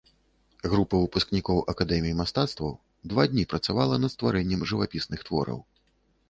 Група выпускнікоў акадэміі мастацтваў два дні працавала над стварэннем жывапісных твораў.